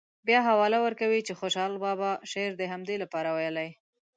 بیا حواله ورکوي چې خوشحال بابا شعر د همدې لپاره ویلی.